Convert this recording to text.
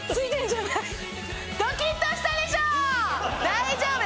大丈夫！